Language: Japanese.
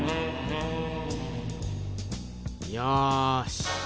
よし。